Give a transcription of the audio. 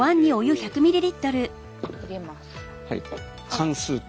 缶スープ。